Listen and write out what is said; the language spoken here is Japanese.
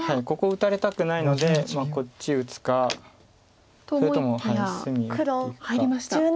ここ打たれたくないのでこっち打つか。と思いきや入りました。